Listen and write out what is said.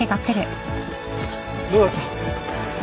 どうだった？